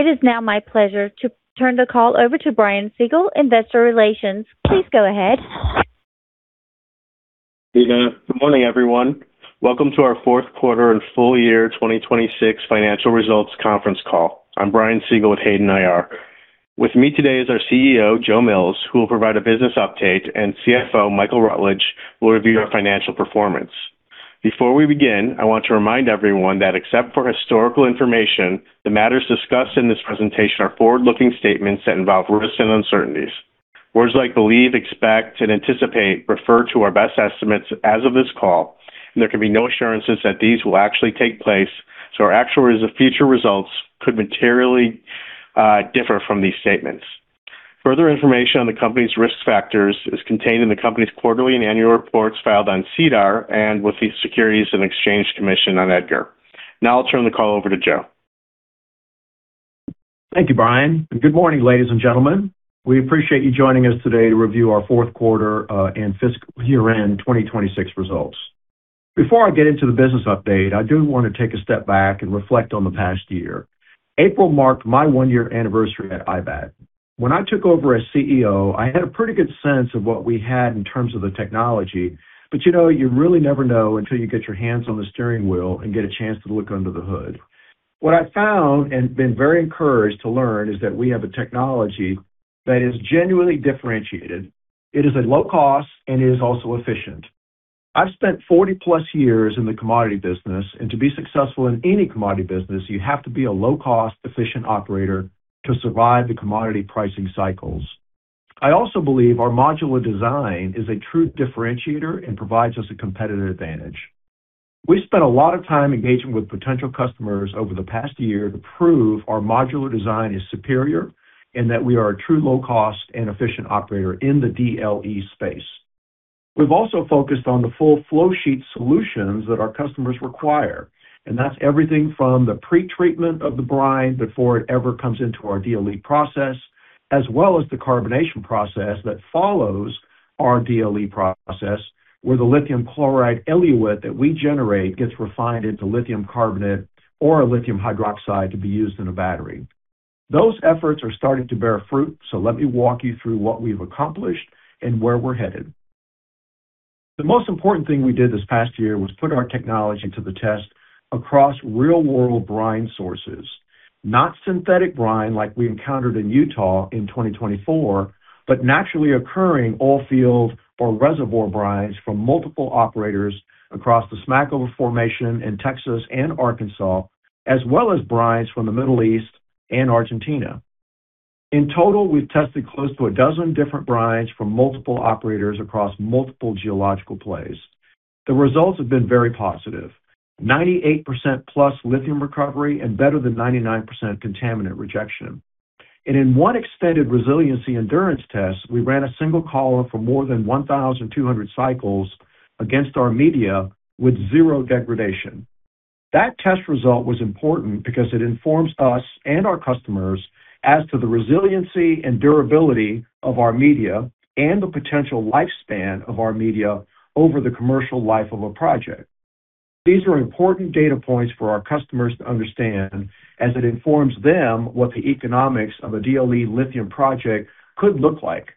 It is now my pleasure to turn the call over to Brian Siegel, investor relations. Please go ahead. Good morning, everyone. Welcome to our fourth quarter and full year 2026 financial results conference call. I'm Brian Siegel with Hayden IR. With me today is our CEO, Joe Mills, who will provide a business update, and CFO, Michael Rutledge, will review our financial performance. Before we begin, I want to remind everyone that except for historical information, the matters discussed in this presentation are forward-looking statements that involve risks and uncertainties. Words like believe, expect, and anticipate refer to our best estimates as of this call, and there can be no assurances that these will actually take place, so our actual future results could materially differ from these statements. Further information on the company's risk factors is contained in the company's quarterly and annual reports filed on SEDAR and with the Securities and Exchange Commission on EDGAR. I'll turn the call over to Joe. Thank you, Brian, and good morning, ladies and gentlemen. We appreciate you joining us today to review our fourth quarter and fiscal year-end 2026 results. Before I get into the business update, I do want to take a step back and reflect on the past year. April marked my one-year anniversary at IBAT. When I took over as CEO, I had a pretty good sense of what we had in terms of the technology, but you really never know until you get your hands on the steering wheel and get a chance to look under the hood. What I found and been very encouraged to learn is that we have a technology that is genuinely differentiated. It is at low cost and is also efficient. I've spent 40-plus years in the commodity business. To be successful in any commodity business, you have to be a low-cost, efficient operator to survive the commodity pricing cycles. I also believe our modular design is a true differentiator and provides us a competitive advantage. We spent a lot of time engaging with potential customers over the past year to prove our modular design is superior and that we are a true low cost and efficient operator in the DLE space. We've also focused on the full flow sheet solutions that our customers require. That's everything from the pre-treatment of the brine before it ever comes into our DLE process, as well as the carbonation process that follows our DLE process, where the lithium chloride eluate that we generate gets refined into lithium carbonate or a lithium hydroxide to be used in a battery. Those efforts are starting to bear fruit. Let me walk you through what we've accomplished and where we're headed. The most important thing we did this past year was put our technology to the test across real-world brine sources, not synthetic brine like we encountered in Utah in 2024, but naturally occurring oil field or reservoir brines from multiple operators across the Smackover Formation in Texas and Arkansas, as well as brines from the Middle East and Argentina. In total, we've tested close to a dozen different brines from multiple operators across multiple geological plays. The results have been very positive. 98% plus lithium recovery and better than 99% contaminant rejection. In one extended resiliency endurance test, we ran a single column for more than 1,200 cycles against our media with zero degradation. That test result was important because it informs us and our customers as to the resiliency and durability of our media and the potential lifespan of our media over the commercial life of a project. These are important data points for our customers to understand as it informs them what the economics of a DLE lithium project could look like.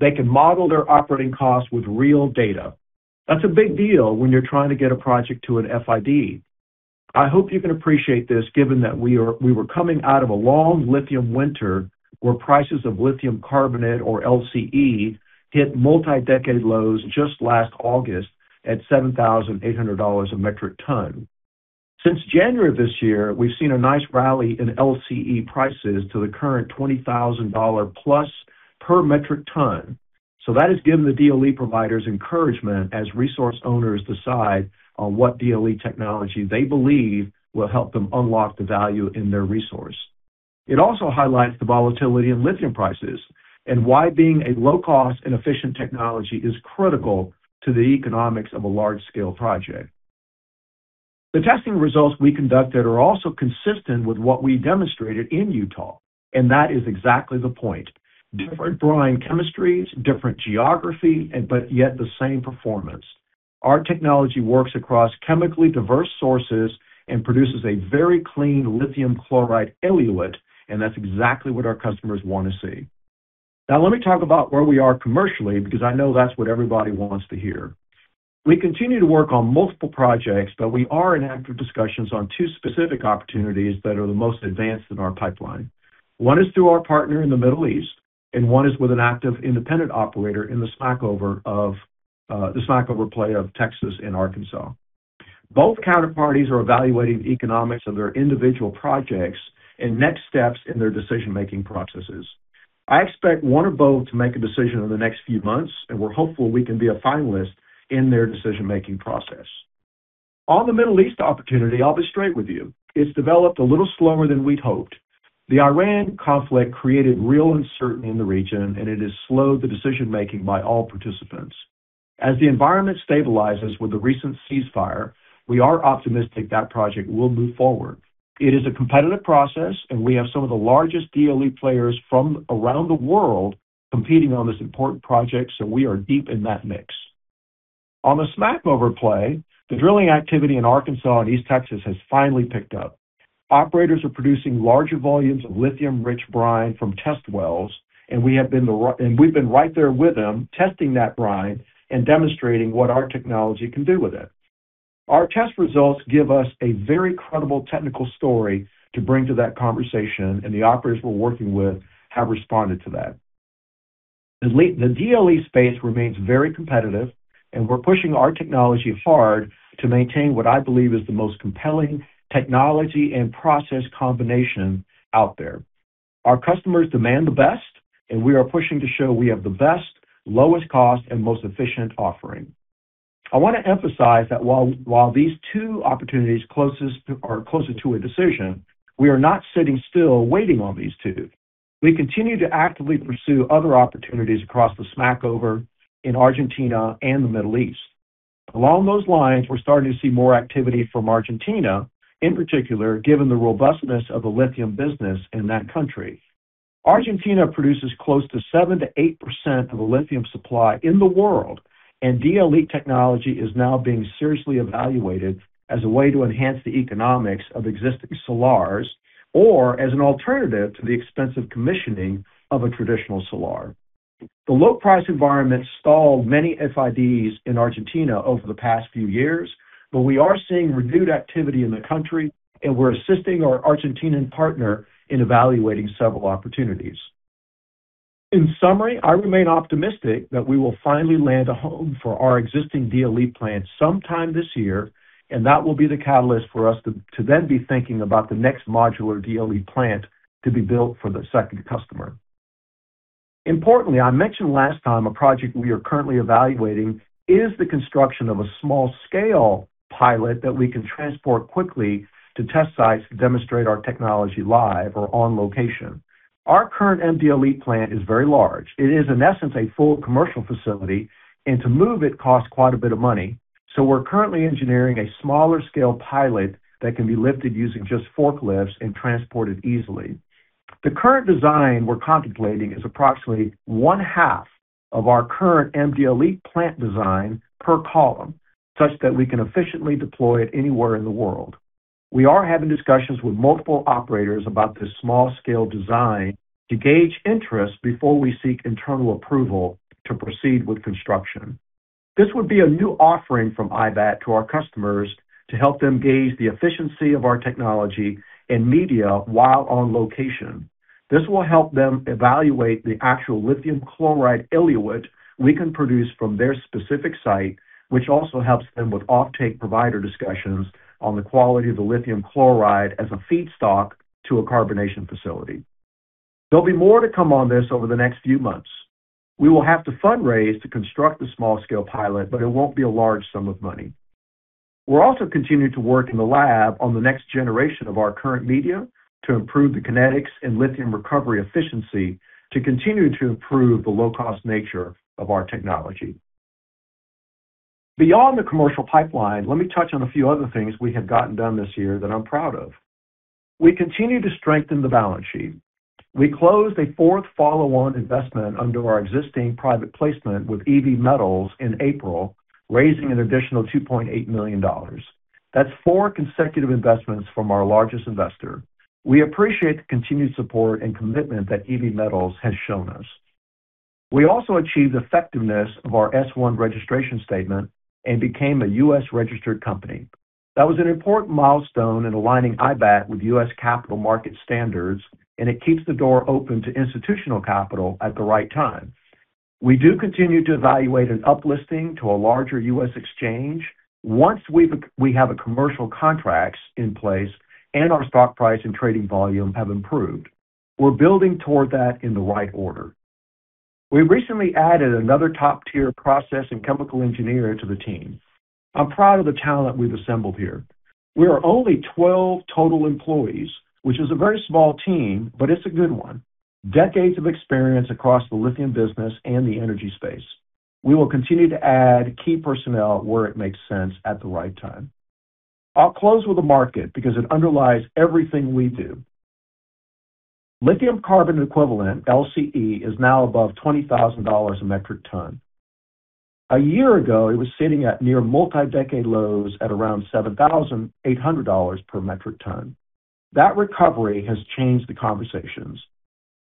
They can model their operating costs with real data. That's a big deal when you're trying to get a project to an FID. I hope you can appreciate this, given that we were coming out of a long lithium winter where prices of lithium carbonate or LCE hit multi-decade lows just last August at $7,800 a metric ton. Since January of this year, we've seen a nice rally in LCE prices to the current $20,000-plus per metric ton. That has given the DLE providers encouragement as resource owners decide on what DLE technology they believe will help them unlock the value in their resource. It also highlights the volatility in lithium prices and why being a low cost and efficient technology is critical to the economics of a large-scale project. The testing results we conducted are also consistent with what we demonstrated in Utah, and that is exactly the point. Different brine chemistries, different geography, yet the same performance. Our technology works across chemically diverse sources and produces a very clean lithium chloride eluate, and that's exactly what our customers want to see. Let me talk about where we are commercially, because I know that's what everybody wants to hear. We continue to work on multiple projects, we are in active discussions on two specific opportunities that are the most advanced in our pipeline. One is through our partner in the Middle East, one is with an active independent operator in the Smackover Play of Texas and Arkansas. Both counterparties are evaluating the economics of their individual projects and next steps in their decision-making processes. I expect one or both to make a decision in the next few months, and we're hopeful we can be a finalist in their decision-making process. On the Middle East opportunity, I'll be straight with you. It's developed a little slower than we'd hoped. The Iran conflict created real uncertainty in the region, it has slowed the decision-making by all participants. As the environment stabilizes with the recent ceasefire, we are optimistic that project will move forward. It is a competitive process, we have some of the largest DLE players from around the world competing on this important project, we are deep in that mix. On the Smackover play, the drilling activity in Arkansas and East Texas has finally picked up. Operators are producing larger volumes of lithium-rich brine from test wells, we've been right there with them, testing that brine and demonstrating what our technology can do with it. Our test results give us a very credible technical story to bring to that conversation, the operators we're working with have responded to that. The DLE space remains very competitive, we're pushing our technology hard to maintain what I believe is the most compelling technology and process combination out there. Our customers demand the best, we are pushing to show we have the best, lowest cost, and most efficient offering. I want to emphasize that while these two opportunities are closer to a decision, we are not sitting still waiting on these two. We continue to actively pursue other opportunities across the Smackover in Argentina and the Middle East. Along those lines, we're starting to see more activity from Argentina, in particular, given the robustness of the lithium business in that country. Argentina produces close to 7%-8% of the lithium supply in the world, DLE technology is now being seriously evaluated as a way to enhance the economics of existing salars or as an alternative to the expensive commissioning of a traditional salar. The low price environment stalled many FIDs in Argentina over the past few years, we are seeing renewed activity in the country, we're assisting our Argentinian partner in evaluating several opportunities. In summary, I remain optimistic that we will finally land a home for our existing DLE plant sometime this year, that will be the catalyst for us to then be thinking about the next modular DLE plant to be built for the second customer. Importantly, I mentioned last time a project we are currently evaluating is the construction of a small scale pilot that we can transport quickly to test sites to demonstrate our technology live or on location. Our current MDLE plant is very large. It is, in essence, a full commercial facility, to move it costs quite a bit of money. We're currently engineering a smaller scale pilot that can be lifted using just forklifts and transported easily. The current design we're contemplating is approximately one half of our current MDLE plant design per column, such that we can efficiently deploy it anywhere in the world. We are having discussions with multiple operators about this small scale design to gauge interest before we seek internal approval to proceed with construction. This would be a new offering from IBAT to our customers to help them gauge the efficiency of our technology and media while on location. This will help them evaluate the actual lithium chloride eluate we can produce from their specific site, which also helps them with offtake provider discussions on the quality of the lithium chloride as a feedstock to a carbonation facility. There'll be more to come on this over the next few months. We will have to fundraise to construct the small scale pilot, it won't be a large sum of money. We're also continuing to work in the lab on the next generation of our current media to improve the kinetics and lithium recovery efficiency to continue to improve the low cost nature of our technology. Beyond the commercial pipeline, let me touch on a few other things we have gotten done this year that I'm proud of. We continue to strengthen the balance sheet. We closed a fourth follow-on investment under our existing private placement with EV Metals in April, raising an additional $2.8 million. That's four consecutive investments from our largest investor. We appreciate the continued support and commitment that EV Metals has shown us. We also achieved effectiveness of our S-1 registration statement and became a U.S. registered company. That was an important milestone in aligning IBAT with U.S. capital market standards, and it keeps the door open to institutional capital at the right time. We do continue to evaluate an uplisting to a larger U.S. exchange once we have commercial contracts in place and our stock price and trading volume have improved. We're building toward that in the right order. We recently added another top tier process and chemical engineer to the team. I'm proud of the talent we've assembled here. We are only 12 total employees, which is a very small team, but it's a good one. Decades of experience across the lithium business and the energy space. We will continue to add key personnel where it makes sense at the right time. I'll close with the market because it underlies everything we do. lithium carbon equivalent, LCE, is now above $20,000 a metric ton. A year ago, it was sitting at near multi-decade lows at around $7,800 per metric ton. That recovery has changed the conversations.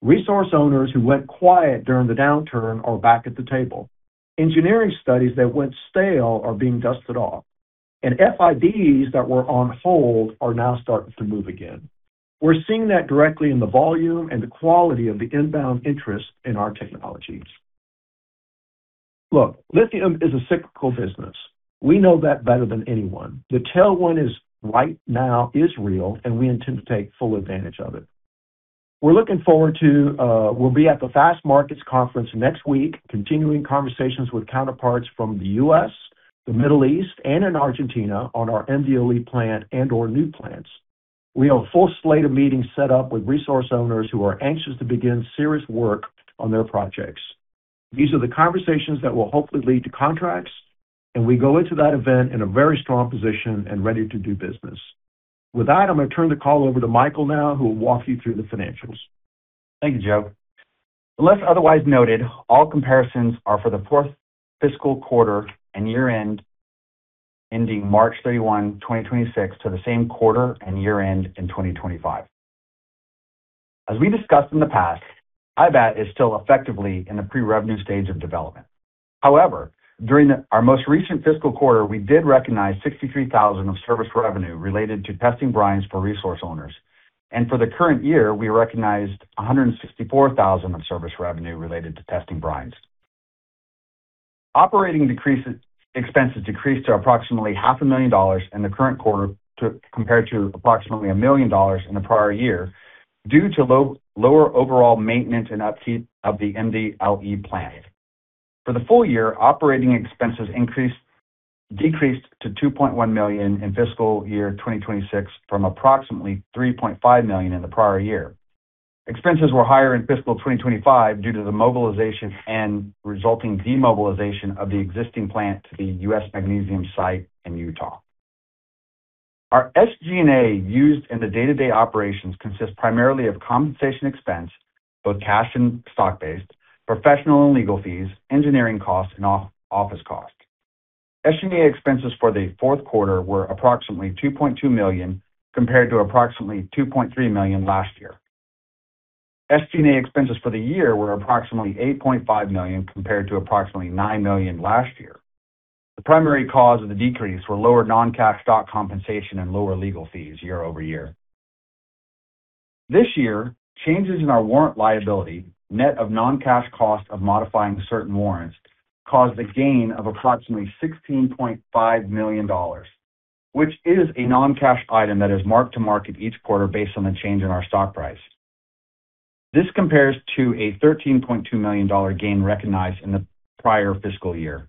Resource owners who went quiet during the downturn are back at the table. Engineering studies that went stale are being dusted off, and FIDs that were on hold are now starting to move again. We're seeing that directly in the volume and the quality of the inbound interest in our technologies. Look, lithium is a cyclical business. We know that better than anyone. The tailwind is right now is real, and we intend to take full advantage of it. We'll be at the Fastmarkets conference next week, continuing conversations with counterparts from the U.S., the Middle East, and in Argentina on our MDLE plant and/or new plants. We have a full slate of meetings set up with resource owners who are anxious to begin serious work on their projects. These are the conversations that will hopefully lead to contracts. We go into that event in a very strong position and ready to do business. With that, I'm going to turn the call over to Michael now, who will walk you through the financials. Thank you, Joe Unless otherwise noted, all comparisons are for the fourth fiscal quarter and year-end ending March 31st, 2026 to the same quarter and year-end in 2025. As we discussed in the past, IBAT is still effectively in the pre-revenue stage of development. However, during our most recent fiscal quarter, we did recognize $63,000 of service revenue related to testing brines for resource owners. For the current year, we recognized $164,000 of service revenue related to testing brines. Operating expenses decreased to approximately half a million dollars in the current quarter, compared to approximately a million dollars in the prior year due to lower overall maintenance and upkeep of the MDLE plant. For the full year, operating expenses decreased to $2.1 million in fiscal year 2026 from approximately $3.5 million in the prior year. Expenses were higher in fiscal 2025 due to the mobilization and resulting demobilization of the existing plant to the US Magnesium site in Utah. Our SG&A used in the day-to-day operations consists primarily of compensation expense, both cash and stock-based, professional and legal fees, engineering costs, and office costs. SG&A expenses for the fourth quarter were approximately $2.2 million, compared to approximately $2.3 million last year. SG&A expenses for the year were approximately $8.5 million compared to approximately $9 million last year. The primary cause of the decrease were lower non-cash stock compensation and lower legal fees year-over-year. This year, changes in our warrant liability, net of non-cash costs of modifying certain warrants, caused a gain of approximately $16.5 million, which is a non-cash item that is marked to market each quarter based on the change in our stock price. This compares to a $13.2 million gain recognized in the prior fiscal year.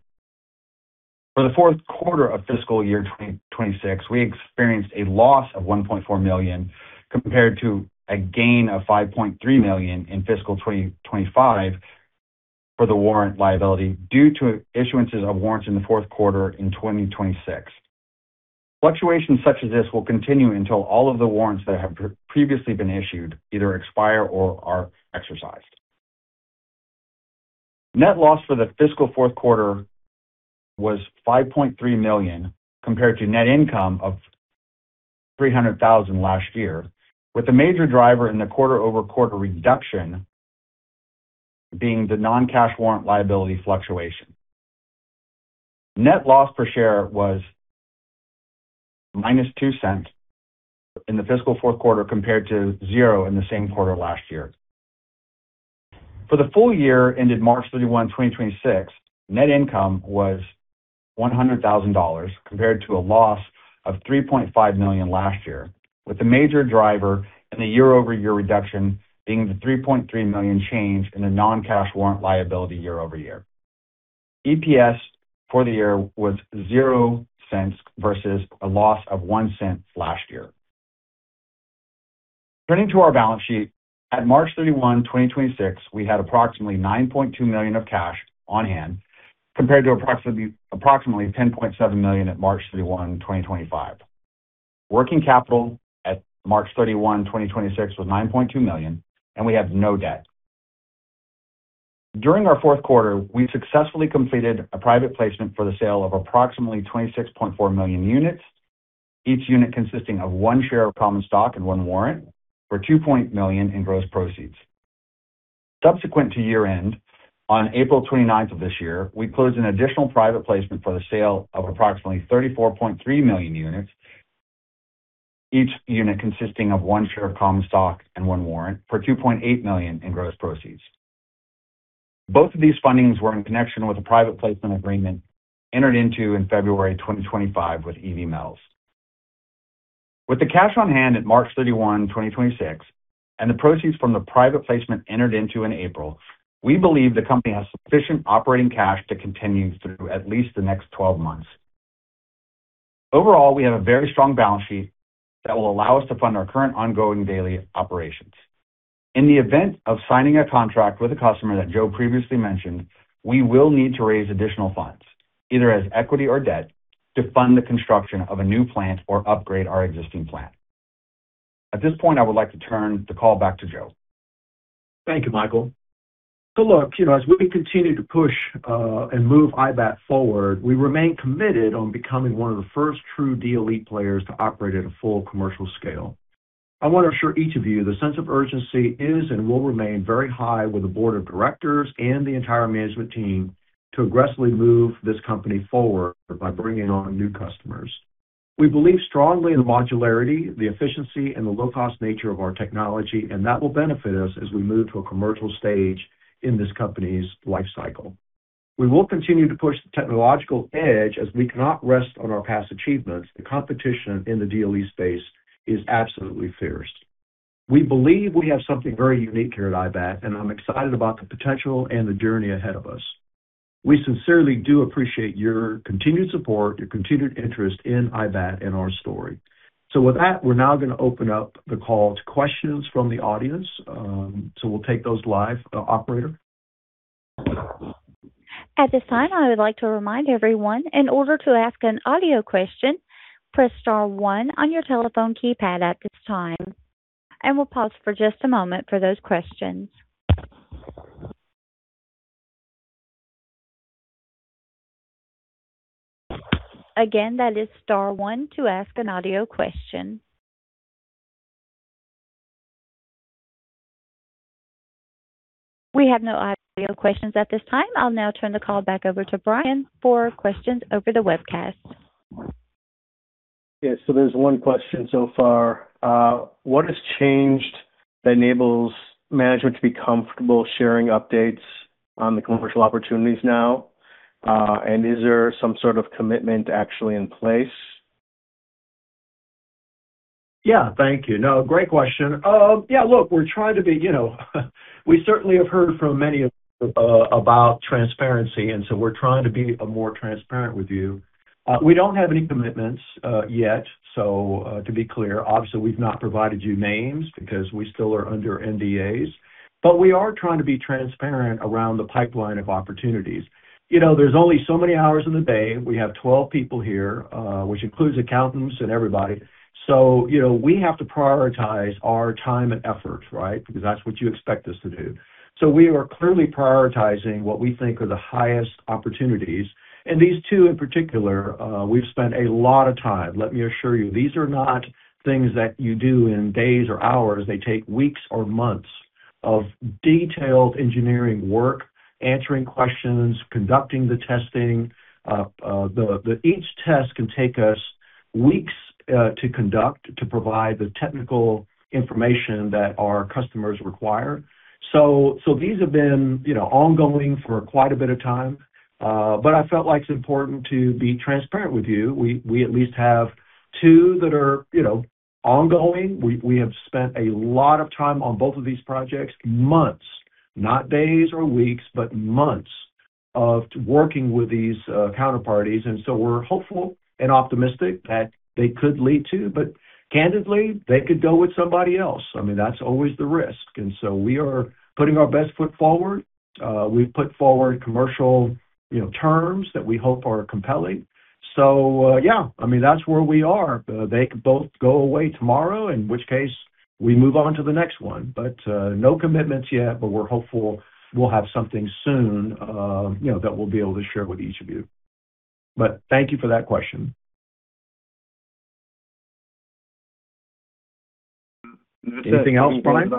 For the fourth quarter of fiscal year 2026, we experienced a loss of $1.4 million compared to a gain of $5.3 million in fiscal 2025 for the warrant liability due to issuances of warrants in the fourth quarter in 2026. Fluctuations such as this will continue until all of the warrants that have previously been issued either expire or are exercised. Net loss for the fiscal fourth quarter was $5.3 million compared to net income of $300,000 last year, with the major driver in the quarter-over-quarter reduction being the non-cash warrant liability fluctuation. Net loss per share was -$0.02 in the fiscal fourth quarter compared to zero in the same quarter last year. For the full year ended March 31, 2026, net income was $100,000 compared to a loss of $3.5 million year-over-year, with the major driver in the year-over-year reduction being the $3.3 million change in the non-cash warrant liability year-over-year. EPS for the year was $0.00 versus a loss of $0.01 last year. Turning to our balance sheet, at March 31, 2026, we had approximately $9.2 million of cash on hand compared to approximately $10.7 million at March 31, 2025. Working capital at March 31, 2026 was $9.2 million, and we have no debt. During our fourth quarter, we successfully completed a private placement for the sale of approximately 26.4 million units, each unit consisting of one share of common stock and one warrant for $2. million in gross proceeds. Subsequent to year-end, on April 29 of this year, we closed an additional private placement for the sale of approximately 34.3 million units, each unit consisting of one share of common stock and one warrant for $2.8 million in gross proceeds. Both of these fundings were in connection with a private placement agreement entered into in February 2025 with EV Metals. With the cash on hand at March 31, 2026, and the proceeds from the private placement entered into in April, we believe the company has sufficient operating cash to continue through at least the next 12 months. Overall, we have a very strong balance sheet that will allow us to fund our current ongoing daily operations. In the event of signing a contract with a customer that Joe previously mentioned, we will need to raise additional funds, either as equity or debt, to fund the construction of a new plant or upgrade our existing plant. At this point, I would like to turn the call back to Joe. Thank you, Michael. Look, as we continue to push and move IBAT forward, we remain committed on becoming one of the first true DLE players to operate at a full commercial scale. I want to assure each of you the sense of urgency is and will remain very high with the board of directors and the entire management team to aggressively move this company forward by bringing on new customers. We believe strongly in the modularity, the efficiency, and the low-cost nature of our technology, and that will benefit us as we move to a commercial stage in this company's life cycle. We will continue to push the technological edge as we cannot rest on our past achievements. The competition in the DLE space is absolutely fierce. We believe we have something very unique here at IBAT, I'm excited about the potential and the journey ahead of us. We sincerely do appreciate your continued support, your continued interest in IBAT and our story. With that, we're now going to open up the call to questions from the audience. We'll take those live. Operator At this time, I would like to remind everyone, in order to ask an audio question, press star one on your telephone keypad at this time, we'll pause for just a moment for those questions. Again, that is star one to ask an audio question. We have no audio questions at this time. I'll now turn the call back over to Brian for questions over the webcast. Yeah. There's one question so far. What has changed that enables management to be comfortable sharing updates on the commercial opportunities now? Is there some sort of commitment actually in place? Yeah. Thank you. No, great question. Yeah, look, we certainly have heard from many of you about transparency, we're trying to be more transparent with you. We don't have any commitments yet, to be clear, obviously, we've not provided you names because we still are under NDAs. We are trying to be transparent around the pipeline of opportunities. There's only so many hours in the day. We have 12 people here, which includes accountants and everybody. We have to prioritize our time and effort, right? Because that's what you expect us to do. We are clearly prioritizing what we think are the highest opportunities. These two in particular, we've spent a lot of time. Let me assure you, these are not things that you do in days or hours. They take weeks or months of detailed engineering work, answering questions, conducting the testing. Each test can take us weeks to conduct to provide the technical information that our customers require. These have been ongoing for quite a bit of time. I felt like it's important to be transparent with you. We at least have two that are ongoing. We have spent a lot of time on both of these projects, months, not days or weeks, but months of working with these counterparties. We're hopeful and optimistic that they could lead to, but candidly, they could go with somebody else. I mean, that's always the risk. We are putting our best foot forward. We've put forward commercial terms that we hope are compelling. Yeah. I mean, that's where we are. They could both go away tomorrow, in which case we move on to the next one. No commitments yet, but we're hopeful we'll have something soon that we'll be able to share with each of you. Thank you for that question. Anything else, Brian?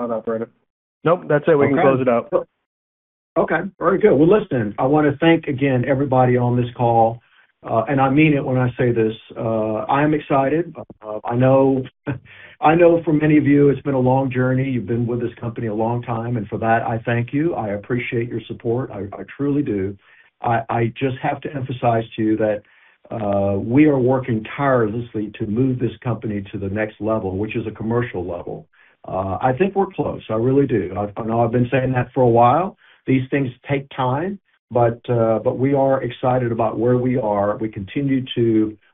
Nope. That's it. We can close it out. Okay. Very good. Listen, I want to thank again everybody on this call, and I mean it when I say this, I am excited. I know for many of you, it's been a long journey. You've been with this company a long time, and for that, I thank you. I appreciate your support. I truly do. I just have to emphasize to you that we are working tirelessly to move this company to the next level, which is a commercial level. I think we're close. I really do. I know I've been saying that for a while. These things take time. We are excited about where we are.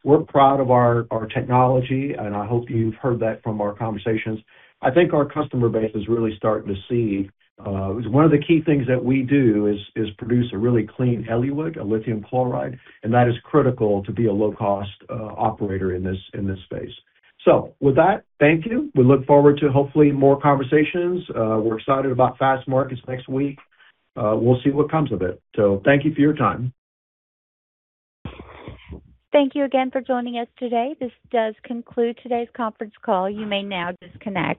We're proud of our technology, and I hope you've heard that from our conversations. I think our customer base is really starting to see one of the key things that we do is produce a really clean eluate, a lithium chloride, and that is critical to be a low-cost operator in this space. With that, thank you. We look forward to hopefully more conversations. We're excited about Fastmarkets next week. We'll see what comes of it. Thank you for your time. Thank you again for joining us today. This does conclude today's conference call. You may now disconnect.